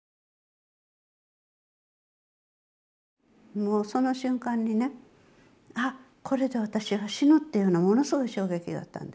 もうその瞬間にね「あっこれで私は死ぬ」っていうものすごい衝撃だったんです。